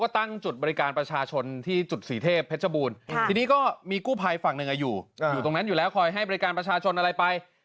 ที่นี่ก็มีกู้ภัยฝั่งหนึ่งอยู่อยู่ตรงนั้นอยู่แล้วคอยให้บริการประชาชนอะไรไป